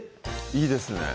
いいですね